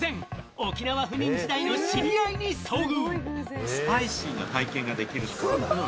沖縄赴任時代の知り合いに遭遇。